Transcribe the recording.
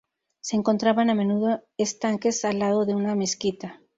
Se encontraban a menudo estanques al lado de una mezquita.